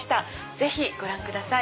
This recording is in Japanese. ぜひご覧ください。